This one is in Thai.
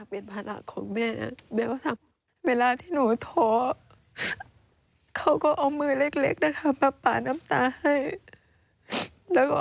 แม่อย่าหลงแต่เขาพูดไม่ได้